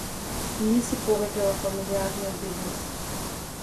Не си повеќе во фамилијарниот бизнис.